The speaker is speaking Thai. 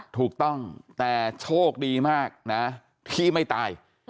ถูกต้องแต่โชคดีมากนะที่ไม่ตาย